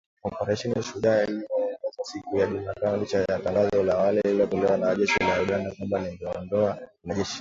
Operesheni Shujaa iliongezwa siku ya Jumatano licha ya tangazo la awali lililotolewa na jeshi la Uganda kwamba lingeondoa wanajeshi